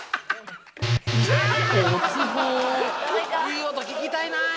いい音聞きたいなぁ。